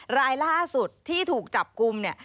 รายล่าสุดที่ถูกจับกลุม